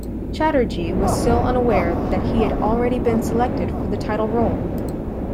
Chatterjee was still unaware that he had already been selected for the title role.